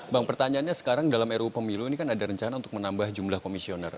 bang pertanyaannya sekarang dalam ruu pemilu ini kan ada rencana untuk menambah jumlah komisioner